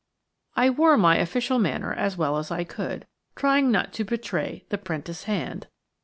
I wore my official manner as well as I could, trying not to betray the 'prentice hand.